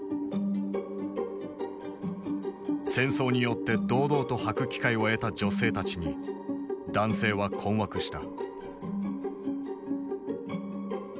戦争によって堂々とはく機会を得た女性たちに男性は困惑した。